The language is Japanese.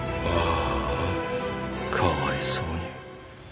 ああかわいそうに。